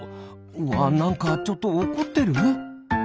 うわなんかちょっとおこってる？